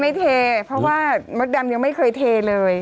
เทเพราะว่ามดดำยังไม่เคยเทเลย